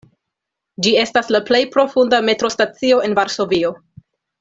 Ĝi estas la plej profunda metrostacio en Varsovio.